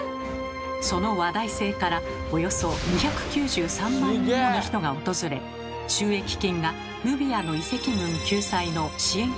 その話題性からおよそ２９３万人もの人が訪れ収益金がヌビアの遺跡群救済の支援金の一部となったのです。